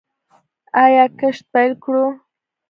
آیا کښت پیل کړو؟